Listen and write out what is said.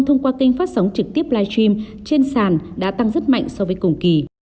thông qua kênh phát sóng trực tiếp live stream trên sàn đã tăng rất mạnh so với cùng kỳ